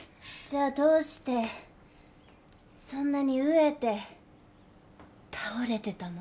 じゃあどうしてそんなに飢えて倒れてたの？